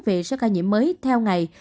về số ca nhiễm mới theo ngày